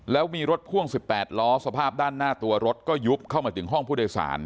แล้วมีรถพ่วง๑๘ล้อสภาพด้านหน้าตัวรถก็ยุบเข้ามาถึงห้องผู้โดยสาร